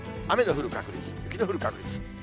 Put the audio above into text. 雨の降る確率、雪の降る確率。